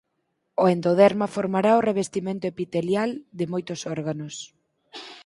O endoderma formará o revestimento epitelial de moitos órganos.